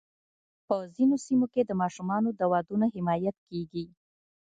په ځینو سیمو کې د ماشومانو د ودونو حمایت کېږي.